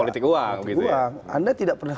politik uang anda tidak pernah